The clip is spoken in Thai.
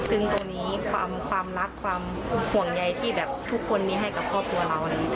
ซึ่งตรงนี้ความรักความห่วงใยที่แบบทุกคนมีให้กับครอบครัวเรา